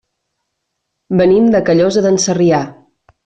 Venim de Callosa d'en Sarrià.